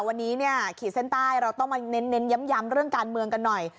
วันนี้เนี่ยขีดเส้นใต้เราต้องมาเน้นย้ำเรื่องการเมืองกันหน่อย